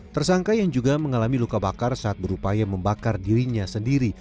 tersangka yang juga mengalami luka bakar saat berupaya membakar dirinya sendiri